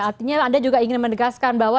artinya anda juga ingin menegaskan bahwa